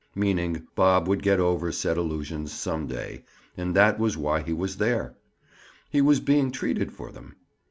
—meaning Bob would get over said illusions some day, and that was why he was there. He was being treated for them.